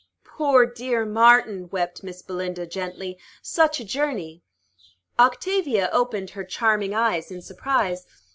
"Poor, dear Martin!" wept Miss Belinda gently. "Such a journey!" Octavia opened her charming eyes in surprise.